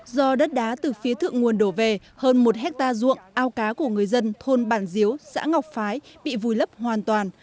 do đất đá từ phía thượng nguồn đổ về hơn một hectare ruộng ao cá của người dân thôn bản diếu xã ngọc phái bị vùi lấp hoàn toàn